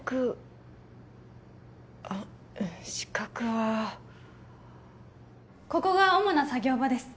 あっ資格はここが主な作業場です